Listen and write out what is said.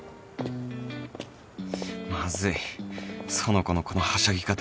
まずい苑子のこのはしゃぎ方